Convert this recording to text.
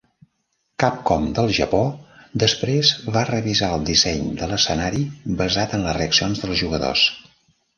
Capcom del Japó després va revisar el disseny de l'escenari basat en les reaccions dels jugadors.